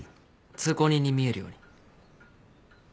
通行人に見えるように。